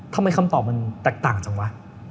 คำตอบมันแตกต่างจังวะ